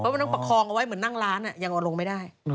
มันต้องประคองเอาไว้เหมือนนั่งร้านยังเอาลงไม่ได้